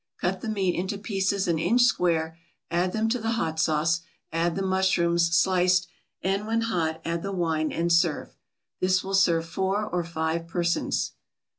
Cut the meat into pieces an inch square, add them to the hot sauce, add the mushrooms, sliced, and, when hot, add the wine and serve. This will serve four or five persons.